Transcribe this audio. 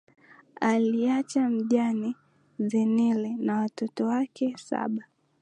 Aliacha mjane Zanele na watoto wake saba